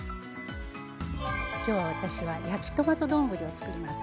今日私は「焼きトマト丼」をつくります。